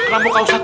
rambut ustadz musay